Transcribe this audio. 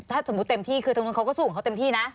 ถ้าสมมุติเต็มที่คือทางนู้นเขาก็สู้ของเขาเต็มที่นะ